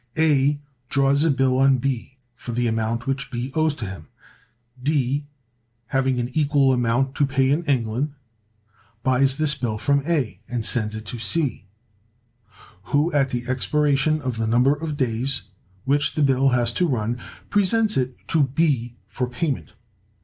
A draws a bill on B for the amount which B owes to him: D, having an equal amount to pay in England, buys this bill from A, and sends it to C, who, at the expiration of the number of days which the bill has to run, presents it to B for payment.